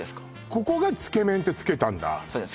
ここがつけ麺ってつけたんだそうです